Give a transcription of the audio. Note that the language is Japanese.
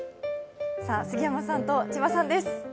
杉山さんと千葉さんです。